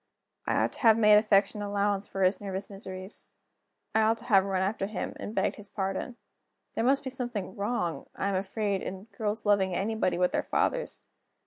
I ought to have made affectionate allowance for his nervous miseries; I ought to have run after him, and begged his pardon. There must be something wrong, I am afraid, in girls loving anybody but their fathers.